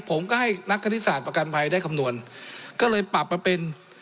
ผมก็ให้นักคณิตศาสตร์ประกันภัยได้คำนวณก็เลยปรับมาเป็น